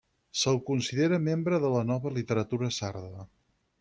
Se'l considera membre de la nova literatura sarda.